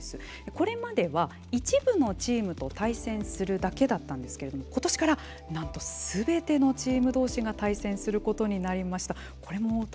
これまでは一部のチームと対戦するだけだったんですけど今年から、何とすべてのチーム同士が対戦することになりました。